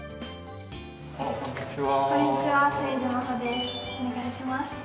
お願いします。